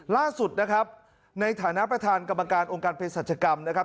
ล่าสุดนะครับในฐานะประธานกรรมการองค์การเพศรัชกรรมนะครับ